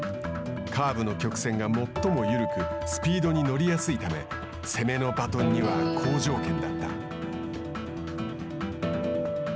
カーブの曲線が最も緩くスピードに乗りやすいため攻めのバトンには好条件だった。